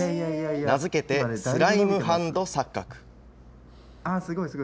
名付けて、スライムハンド錯覚。